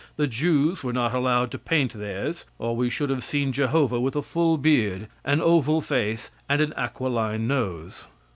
The Jews were not allowed to paint theirs, or we should have seen Jehovah with a full beard, an oval face, and an aquiline nose.